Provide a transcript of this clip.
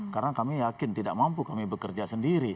karena kami yakin tidak mampu kami bekerja sendiri